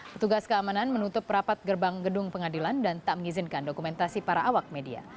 petugas keamanan menutup rapat gerbang gedung pengadilan dan tak mengizinkan dokumentasi para awak media